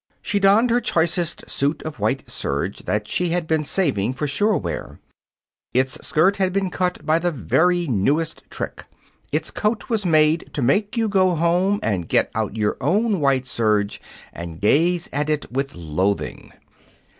She donned her choicest suit of white serge that she had been saving for shore wear. Its skirt had been cut by the very newest trick. Its coat was the kind to make you go home and get out your own white serge and gaze at it with loathing.